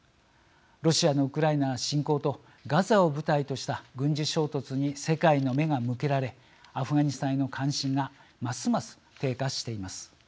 ロシアのウクライナ侵攻とガザを舞台とした軍事衝突に世界の目が向けられアフガニスタンへの関心がますます低下しています。